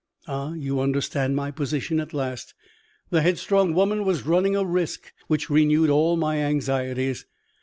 Ah, you understand my position at last. The headstrong woman was running a risk which renewed all my anxieties.